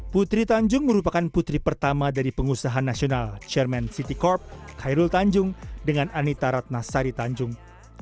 putri tanjung merupakan putri pertama dari pengusaha nasional chairman city corp khairul tanjung dengan anita ratnasari tanjung